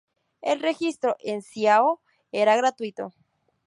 El registro en Ciao era gratuito.